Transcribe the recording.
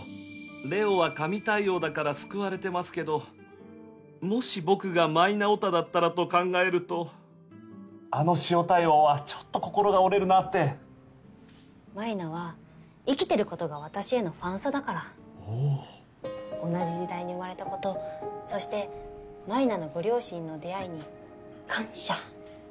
れおは神対応だから救われてますけどもし僕が舞菜オタだったらと考えるとあの塩対応はちょっと心が折れるなって舞菜は生きてることが私へのファンサだからおぉ同じ時代に生まれたことそして舞菜のご両親の出会いに感謝